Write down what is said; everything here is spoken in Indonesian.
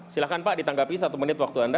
silahkan pak ditanggapi satu menit waktu anda